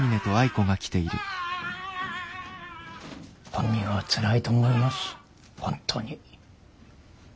本人はつらいと思いますほんとに。